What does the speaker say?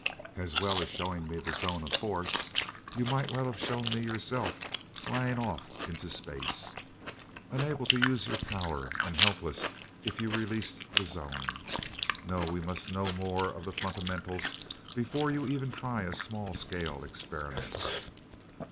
As well as showing me the zone of force, you might well have shown me yourself flying off into space, unable to use your power and helpless if you released the zone. No, we must know more of the fundamentals before you try even a small scale experiment."